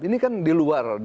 ini kan di luar luar kisah